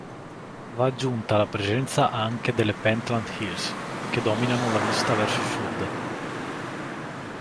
Va aggiunta la presenza anche delle Pentland Hills, che dominano la vista verso sud.